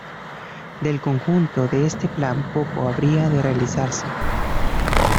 Del conjunto de este plan poco habría de realizarse.